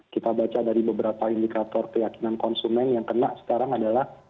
kita baca dari beberapa indikator keyakinan konsumen yang kena sekarang adalah